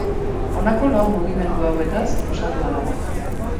Honako lau mugimendu hauetaz osatua dago.